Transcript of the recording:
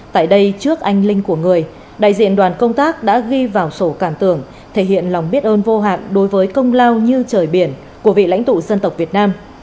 tại đây trước anh linh của người đại diện đoàn công tác đã ghi vào sổ cản tưởng thể hiện lòng biết ơn vô hạn đối với công lao như trời biển của vị lãnh tụ dân tộc việt nam